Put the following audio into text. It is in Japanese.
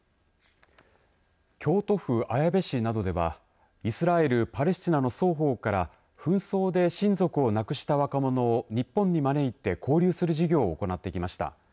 京都府綾部市などではイスラエル、パレスチナの双方から紛争で親族を亡くした若者を日本に招いて交流する事業を行ってきました